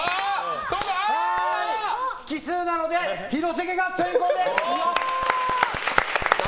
奇数なので廣瀬家が先攻です！